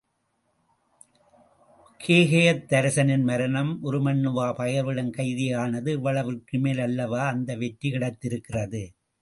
கேகயத்தரசனின் மரணம், உருமண்ணுவா பகைவரிடம் கைதியானது இவ்வளவிற்கும்மேல் அல்லவா அந்த வெற்றி கிடைத்திருக்கிறது?